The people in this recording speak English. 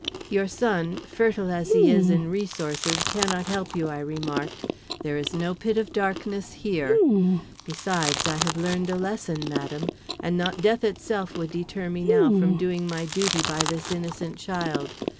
"Your son, fertile as he is in resources, cannot help you," I remarked. "There is no pit of darkness here; besides I have learned a lesson, madam; and not death itself would deter me now from doing my duty by this innocent child.